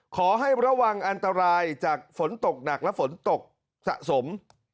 ขอให้ระวังอันตรายจากฝนตกหนักและฝนตกสะสม